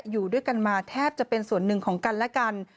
อยู่ด้วยกันมาแทบจะเป็นส่วนหนึ่งของกันและกัน